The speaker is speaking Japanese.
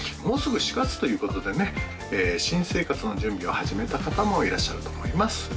もうすぐ４月ということでね新生活の準備を始めた方もいらっしゃると思います